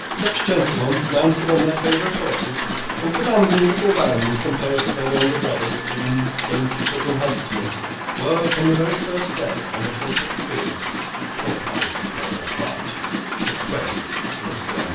Such gentlemen, mounted on their favourite horses, and commanding little bands composed of their younger brothers, grooms, gamekeepers, and huntsmen, were, from the very first day on which they took the field, qualified to play their part with credit in a skirmish.